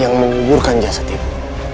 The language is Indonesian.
yang menguburkan jasadimu